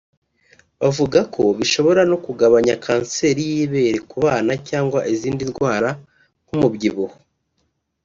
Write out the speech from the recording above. Bavuga ko bishobora no kugabanya kanseri y’ibere ku bana cyangwa izindi ndwara nk’umubyibuho